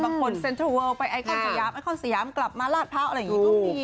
บางคนเซ็นทรัลเวิลไปไอคอนสยามไอคอนสยามกลับมาลาดพร้าวอะไรอย่างนี้ก็มี